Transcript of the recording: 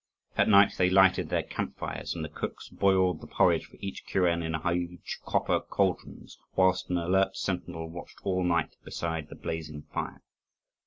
At night they lighted their camp fires, and the cooks boiled the porridge for each kuren in huge copper cauldrons; whilst an alert sentinel watched all night beside the blazing fire.